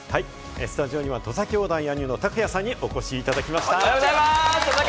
スタジオには土佐兄弟・兄の卓也さんにお越しいただきました。